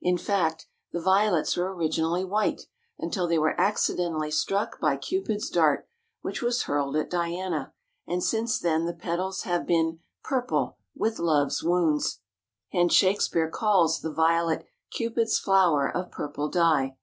In fact, the Violets were originally white, until they were accidentally struck by Cupid's dart, which was hurled at Diana, and since then the petals have been "purple with love's wounds." Hence Shakespeare calls the Violet "Cupid's flower of purple dye."